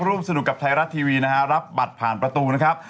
ร่วมสนุกกับไทยรัฐทีวีนะฮะรับบัตรผ่านประตูนะครับ